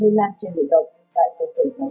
lây lan trên dưới tộc tại cơ sở giáo dục mỏng non